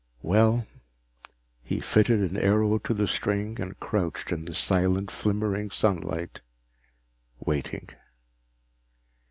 Well he fitted an arrow to the string and crouched in the silent, flimmering sunlight, waiting.